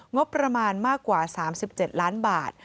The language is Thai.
งบประมาณมากกว่า๓๗ล้านบาท